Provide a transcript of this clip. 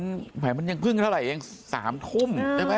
แต่มันยังพึ่งเท่าไหร่เอง๓คุม